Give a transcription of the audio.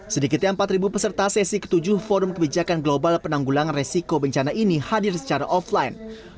sedikitnya empat peserta sesi ketujuh forum kebijakan global penanggulangan resiko bencana ini hadir secara offline